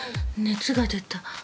熱が出た。